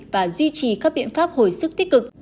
và duy trì các biện pháp hồi sức tích cực